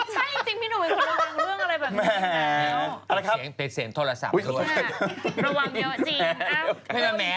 ใช่จริงพี่หนุ่มเป็นคนระวังเรื่องอะไรแบบนี้